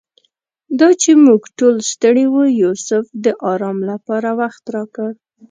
دا چې موږ ټول ستړي وو یوسف د آرام لپاره وخت راکړ.